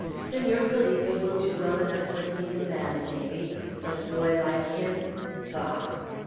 Senor Felipe will do well enough when he's a man, maybe; but a boy like him! Bah!"